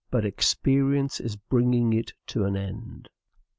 But experience is bringing it to an end.